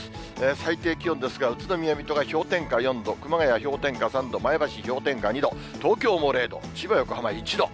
最低気温ですが、宇都宮、水戸が氷点下４度、熊谷氷点下３度、前橋氷点下２度、東京も０度、千葉、横浜１度。